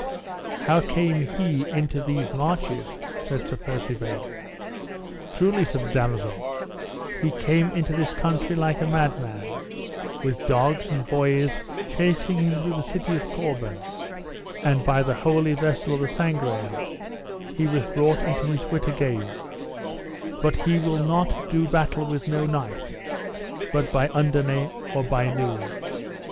How came he into these marches? said Sir Percivale. Truly, said the damosel, he came into this country like a mad man, with dogs and boys chasing him through the city of Corbin, and by the holy vessel of the Sangreal he was brought into his wit again; but he will not do battle with no knight, but by underne or by noon.